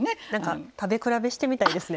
食べ比べしてみたいですね。